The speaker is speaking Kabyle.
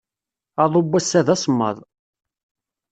Aḍu n wass-a d asemmaḍ.